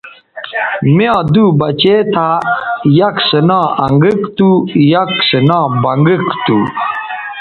می یاں دُو بچے تھا یک سو نا انگک تھو آ یک سو نا بنگک تھو